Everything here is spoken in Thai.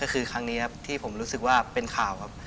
ก็คือครั้งนี้ครับที่ผมรู้สึกว่าเป็นข่าวครับ